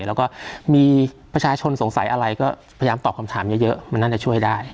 แล้วก็มีประชาชนสงสัยอะไรก็พยายามตอบคำถามเยอะมันน่าจะช่วยได้